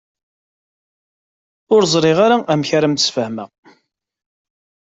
Ur ẓriɣ ara amek ara am-d-sfehmeɣ.